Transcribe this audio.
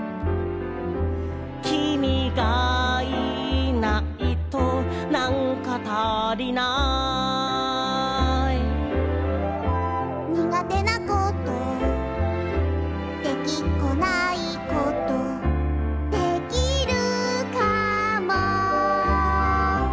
「君がいないとなんか足りない」「にがてなことできっこないことできるかも」